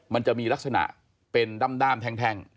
มันจะมีลักษณะเป็นด้ามแท่ง